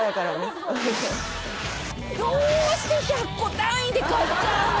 そうどうして１００個単位で買っちゃうの？